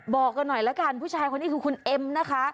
บอกกันหน่อยละกันผู้ชายคนนี้คือคุณเอ็มนะคะ